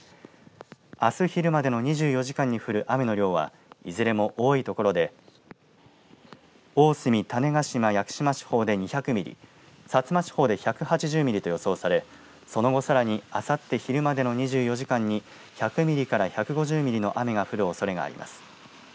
あす昼までの２４時間に降る雨の量はいずれも多い所で大隅、種子島・屋久島地方で２００ミリ、薩摩地方で１８０ミリと予想されその後、さらにあさって昼までの２４時間に１００ミリから１５０ミリの雨が降るおそれがあります。